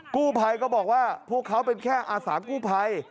กู้ภัยก็บอกว่าพวกเขาเป็นแค่อาสากู้ภัย